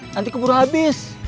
nanti keburu habis